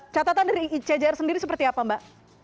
catatan dari icjr sendiri seperti apa mbak